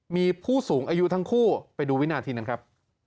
มีผู้สูงอายุทั้งคู่ไปดูวินาทีนั้นครับ